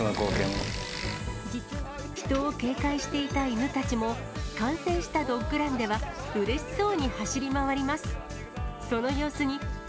人を警戒していた犬たちも、完成したドッグランでは、うれしそうに走り回ります。